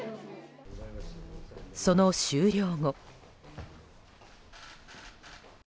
その終了後。